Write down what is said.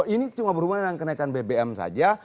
ini cuma berhubungan dengan kenaikan bbm saja